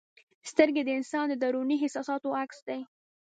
سترګې د انسان د دروني احساساتو عکس دی.